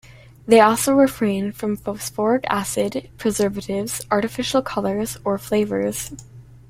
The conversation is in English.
They also refrain from phosphoric acid, preservatives, artificial colors or flavors.